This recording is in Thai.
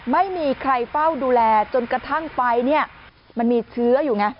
ไม่มีใครเฝ้าดูแลจนกระทั่งไฟเนี่ยมันมีเชื้ออยู่ไง